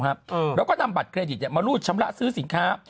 แล้วก็นำบัตรเครดิตมารูดชำระซื้อสินค้า